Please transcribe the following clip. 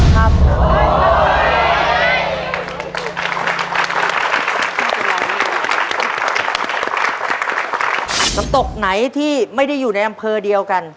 น้ำตกไหนที่ไม่ได้อยู่ในอำเภอเดียวกัน